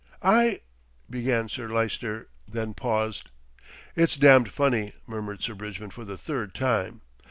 "I " began Sir Lyster, then paused. "It's damned funny," murmured Sir Bridgman for the third time.